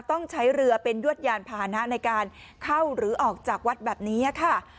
ต้องใช้เรือเป็นยวดยานพาหนะในการเข้าหรือออกจากวัดแบบนี้ค่ะ